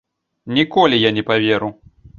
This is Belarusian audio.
Ніколі я не паверу.